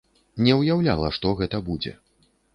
Не ўяўляла, што гэта будзе.